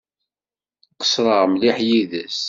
Qeṣṣreɣ mliḥ yid-s.